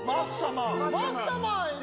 マッサマンいる。